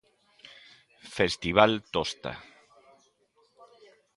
Festival Tosta.